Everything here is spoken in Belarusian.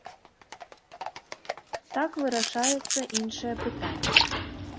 Так вырашаецца іншае пытанне.